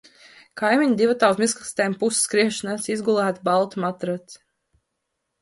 Kaimiņi divatā uz miskastēm pusskriešus nes izgulētu baltu matraci.